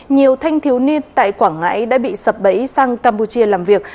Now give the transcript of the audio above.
nhiều thanh thiếu niên tại quảng ngãi đã bị sập bẫy sang campuchia làm việc